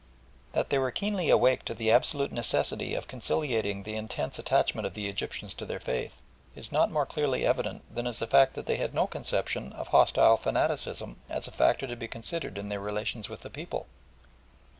That they were keenly awake to the absolute necessity of conciliating the intense attachment of the Egyptians to their faith, is not more clearly evident than is the fact that they had no conception of hostile fanaticism as a factor to be considered in their relations with the people.